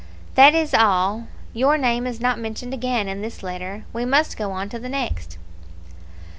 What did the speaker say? That is all; your name is not mentioned again in this letter. We must go on to the next."